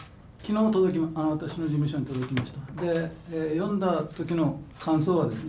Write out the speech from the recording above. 読んだ時の感想はですね